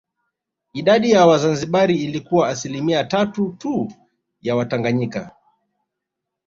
Idadi ya Wazanzibari ilikuwa asilimia tatu tu ya Watanganyika